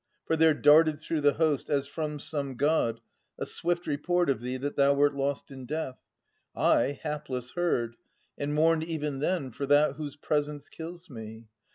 For there darted through the host, As from some God, a swift report of thee That thou wert lost in death. I, hapless, heard, And mourned even then for that whose presence kills me.